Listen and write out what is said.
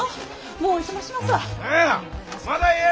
もうおいとましますわ。